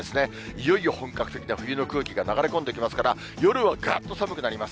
いよいよ本格的な冬の空気が流れ込んできますから、夜はぐっと寒くなります。